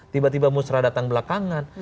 tiba tiba musrah datang belakangan